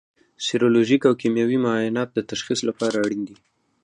سیرولوژیک او کیمیاوي معاینات د تشخیص لپاره اړین دي.